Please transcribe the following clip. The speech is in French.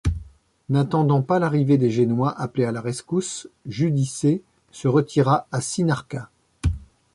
N'attendant pas l'arrivée des Génois appelés à la rescousse, Giudice se retira à Cinarca.